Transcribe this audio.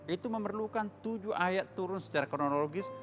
itu memerlukan tujuh ayat turun secara kronologis